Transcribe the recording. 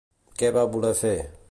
Què va voler fer?